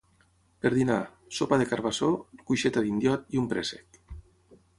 Per dinar: sopa de carbassó, cuixeta d'indiot i un préssec